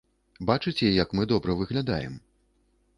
Бачыце, як мы добра выглядаем?